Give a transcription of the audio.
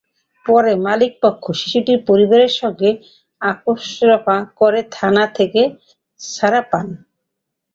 পরে মালিকপক্ষ শিশুটির পরিবারের সঙ্গে আপসরফা করে থানা থেকে ছাড়া পান।